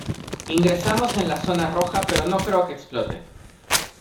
ingresamos en la zona roja, pero no creo que explote.